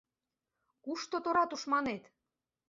«Кушто тора тушманет?